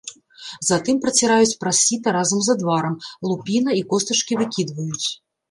Затым праціраюць праз сіта разам з адварам, лупіна і костачкі выкідваюць.